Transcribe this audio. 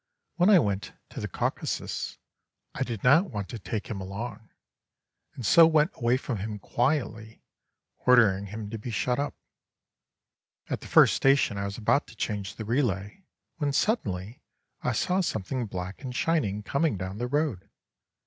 When I went to the Caucasus, I did not want to take him along, and so went away from him quietly, ordering him to be shut up. At the first station I was about to change the relay, when suddenly I saw something black and shining coming down the road.